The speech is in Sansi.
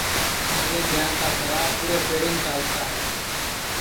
میرے ٻیاں کی سَرا پُورے چالتا ہے